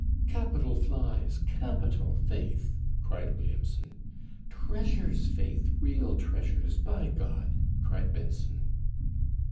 'Capital flies! capital, faith!' cried Williamson. 'Treasures, faith, real treasures, by G !' cried Benson.